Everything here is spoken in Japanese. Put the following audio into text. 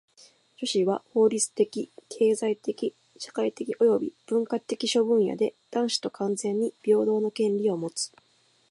女子は法律的・経済的・社会的および文化的諸分野で男子と完全に平等の権利をもつ。